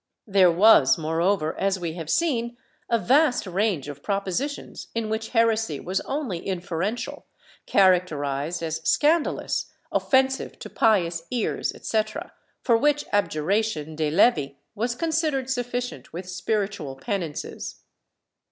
There was moreover, as we have seen, a vast range of propositions in which heresy was only inferential, characterized as scandalous, offensive to pious ears etc., for which abjuration de levi was considered sufficient, with spiritual penances.